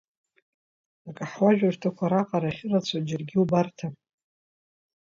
Акаҳуажәырҭақәа ара аҟара иахьырацәоу џьаргьы иубарҭам.